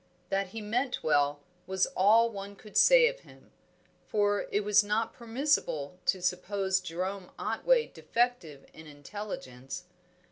That he meant well was all one could say of him; for it was not permissible to suppose Jerome Otway defective in intelligence.